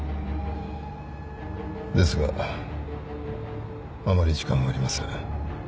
ですがあまり時間はありません。